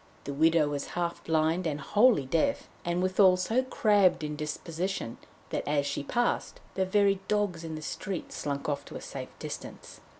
The widow was half blind and wholly deaf, and withal so crabbed in disposition that as she passed the very dogs in the street slunk off to a safe distance.